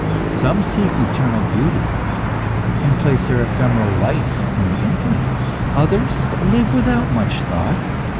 Some seek eternal beauty, and place their ephemeral life in the infinite. Others live without much thought.